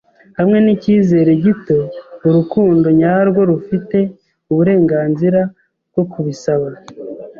Hamwe n'icyizere gito, urukundo nyarwo rufite uburenganzira bwo kubisaba